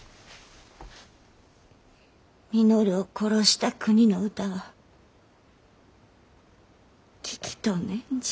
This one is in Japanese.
稔を殺した国の歌は聴きとうねんじゃ。